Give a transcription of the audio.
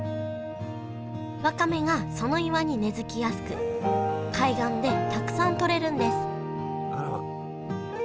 わかめがその岩に根づきやすく海岸でたくさん採れるんですあら。